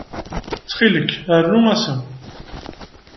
Ttxil-k, rnu ass-a.